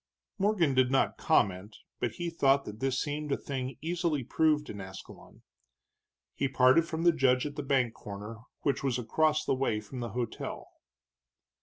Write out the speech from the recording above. Morgan did not comment, but he thought that this seemed a thing easily proved in Ascalon. He parted from the judge at the bank corner, which was across the way from the hotel.